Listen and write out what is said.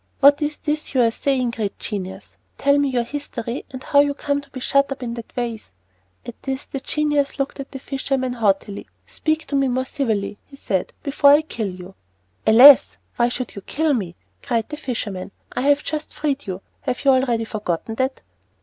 "What is this you are saying, great genius? Tell me your history and how you came to be shut up in that vase." At this, the genius looked at the fisherman haughtily. "Speak to me more civilly," he said, "before I kill you." "Alas! why should you kill me?" cried the fisherman. "I have just freed you; have you already forgotten that?"